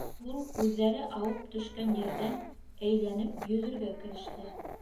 Ул үҙҙәре ауып төшкән ерҙә әйләнеп йөҙөргә кереште.